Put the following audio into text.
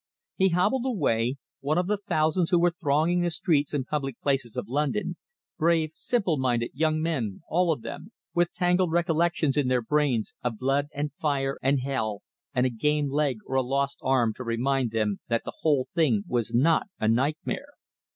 He hobbled away, one of the thousands who were thronging the streets and public places of London brave, simple minded young men, all of them, with tangled recollections in their brains of blood and fire and hell, and a game leg or a lost arm to remind them that the whole thing was not a nightmare.